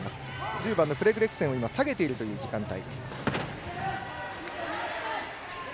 １０番のフレズレクセンを下げているという時間帯。